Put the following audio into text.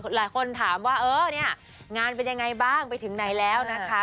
หลายคนถามว่าเออเนี่ยงานเป็นยังไงบ้างไปถึงไหนแล้วนะคะ